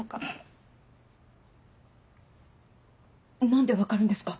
何で分かるんですか？